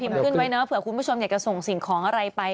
ขึ้นไว้เนอะเผื่อคุณผู้ชมอยากจะส่งสิ่งของอะไรไป